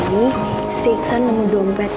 si iksan nunggu dompet